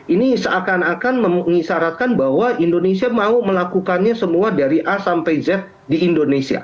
ini seakan akan mengisaratkan bahwa indonesia mau melakukannya semua dari a sampai z di indonesia